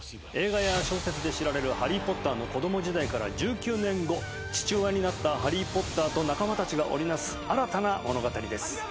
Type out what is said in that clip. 映画や小説で知られるハリー・ポッターの子供時代から１９年後父親になったハリー・ポッターと仲間たちが織り成す新たな物語です